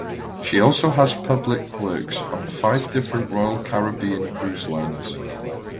She also has public works on five different Royal Caribbean cruise liners.